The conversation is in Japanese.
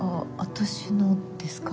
私のですか？